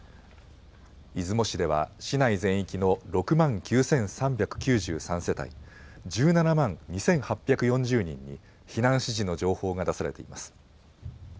出雲市では市内全域の６万９３９３世帯１７万２８４０人に避難指示の情報が出されています。